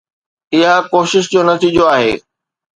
اها ڪوشش جو نتيجو آهي.